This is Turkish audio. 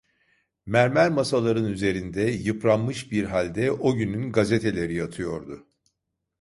Mermer masaların üzerinde, yıpranmış bir halde, o günün gazeteleri yatıyordu.